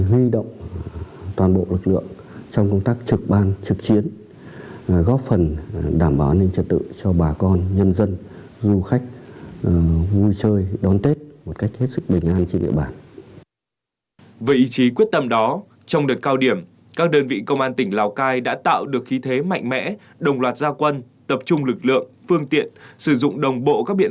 huy động đảm bảo an ninh chấp tự trên địa bàn trong đợt cao điểm tấn công cho tội phạm trong dịch tích nguyên án công an tỉnh lào cai huy động đảm bảo an ninh chấp tự trên địa bàn